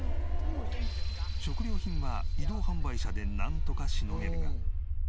食料品は移動販売車でなんとかしのげるが。